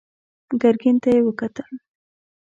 ګرګين ته يې وکتل.